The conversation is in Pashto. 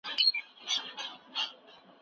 ذهني سکون د خوشاله ژوند یوازینۍ لار ده.